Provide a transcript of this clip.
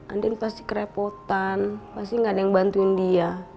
andin pasti kerepotan pasti gak ada yang bantuin dia